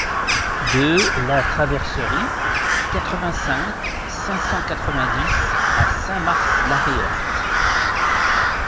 deux la Traverserie, quatre-vingt-cinq, cinq cent quatre-vingt-dix à Saint-Mars-la-Réorthe